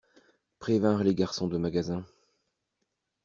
Prévinrent les garçons de magasin.